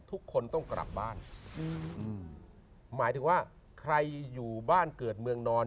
ทุกคนต้องกลับบ้านอืมหมายถึงว่าใครอยู่บ้านเกิดเมืองนอน